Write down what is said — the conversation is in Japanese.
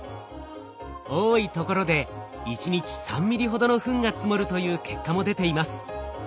多いところで１日３ミリほどのフンが積もるという結果も出ています。